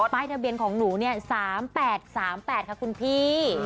ป้ายทะเบียนของหนูเนี่ย๓๘๓๘ค่ะคุณพี่